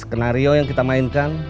skenario yang kita mainkan